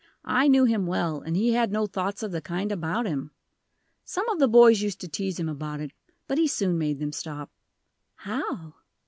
I knew him well, and he had no thoughts of the kind about him. Some of the boys used to tease him about it, but he soon made them stop." "How?"